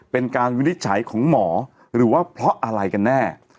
วินิจฉัยของหมอหรือว่าเพราะอะไรกันแน่